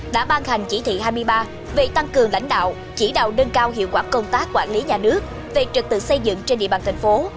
đã ban hành chỉ thị hai mươi ba về tăng cường lãnh đạo chỉ đạo nâng cao hiệu quả công tác quản lý nhà nước về trực tự xây dựng trên địa bàn thành phố